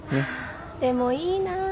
でもいいな。